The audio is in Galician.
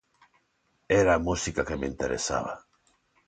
Era a música que me interesaba.